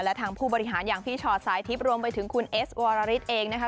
และทางผู้บริหารอย่างพี่ชอตสายทิพย์รวมไปถึงคุณเอสวรริสเองนะคะ